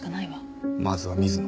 まずは水野。